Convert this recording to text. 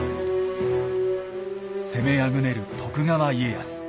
攻めあぐねる徳川家康。